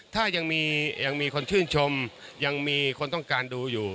ถ้ายังมียังมีคนชื่นชมยังมีคนต้องการดูอยู่